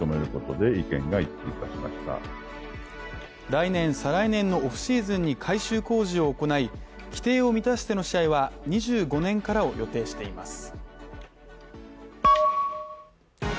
来年、再来年のオフシーズンに改修工事を行い、規定を満たしての試合は２５年からを予定しています。